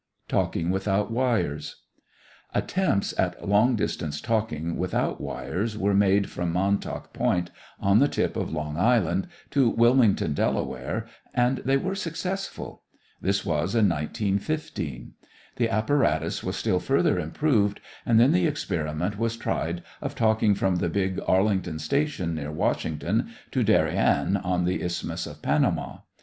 TALKING WITHOUT WIRES Attempts at long distance talking without wires were made from Montauk Point, on the tip of Long Island, to Wilmington, Delaware, and they were successful. This was in 1915. The apparatus was still further improved and then the experiment was tried of talking from the big Arlington station near Washington to Darien, on the Isthmus of Panama.